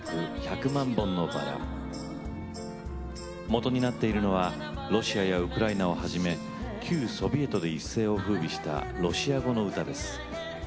もとになっているのはロシアやウクライナをはじめ旧ソビエトで一世をふうびしたロシア語の歌です。